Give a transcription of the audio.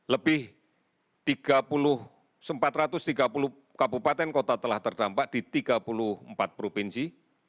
lebih empat ratus tiga puluh kabupaten kota telah terdampak di tiga puluh empat provinsi